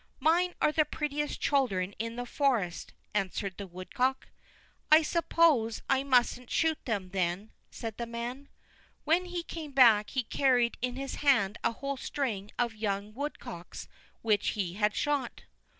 "Mine are the prettiest children in the forest," answered the woodcock. "I suppose I mustn't shoot them, then," said the man. When he came back he carried in his hand a whole string of young woodcocks which he had shot.